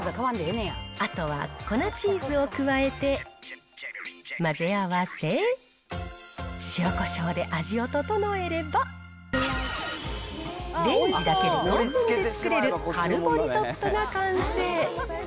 あとは粉チーズを加えて混ぜ合わせ、塩こしょうで味を調えれば、レンジだけで５分で作れるカルボリゾットが完成。